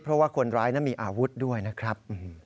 เพราะว่าคนร้ายนั้นมีอาวุธด้วยนะครับ